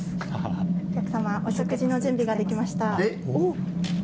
お客様お食事の準備ができました。